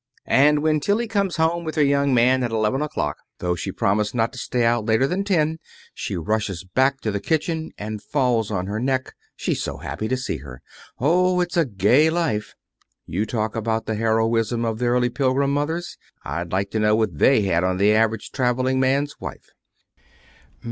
And when Tillie comes home with her young man at eleven o'clock, though she promised not to stay out later than ten, she rushes back to the kitchen and falls on her neck, she's so happy to see her. Oh, it's a gay life. You talk about the heroism of the early Pilgrim mothers! I'd like to know what they had on the average traveling man's wife."